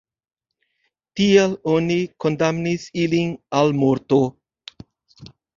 Tial oni kondamnis ilin al morto.